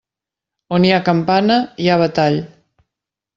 On hi ha campana, hi ha batall.